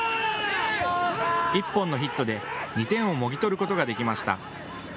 １本のヒットで２点をもぎ取ることができました。